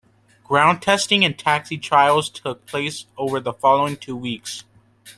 Ground testing and taxi trials took place over the following two weeks.